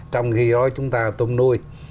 trong khi đó chúng ta tôm nuôi